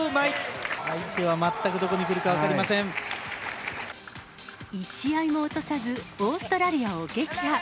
相手は全くどこに来るか分か一試合も落とさず、オーストラリアを撃破。